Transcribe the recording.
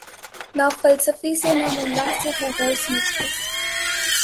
نہ فلسفی سے نہ ملا سے ہے غرض مجھ کو